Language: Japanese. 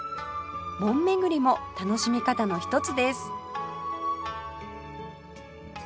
門巡りも楽しみ方の一つです